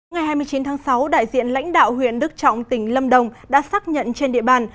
ngày hai mươi chín tháng sáu đại diện lãnh đạo huyện đức trọng tỉnh lâm đồng đã xác nhận trên địa bàn